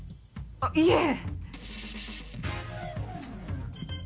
あっいえ。